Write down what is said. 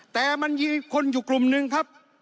แต่มันมีคนอยู่กลุ่มนึงครับ